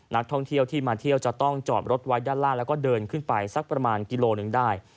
นักท่องเที่ยวที่มาเที่ยวจะต้องจอดรถไว้ด้านล่างแล้วก็เดินขึ้นไปสักประมาณกิโลหนึ่งได้